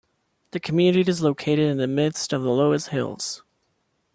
The community is located in the midst of the Loess Hills.